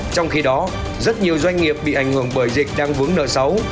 trong khi đó rất nhiều doanh nghiệp bị ảnh hưởng bởi dịch đang vướng nợ xấu